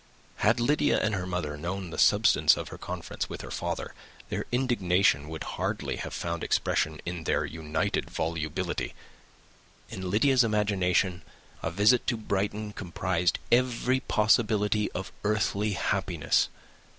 Had Lydia and her mother known the substance of her conference with her father, their indignation would hardly have found expression in their united volubility. In Lydia's imagination, a visit to Brighton comprised every possibility of earthly happiness.